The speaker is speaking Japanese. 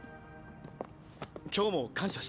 今日も感謝している。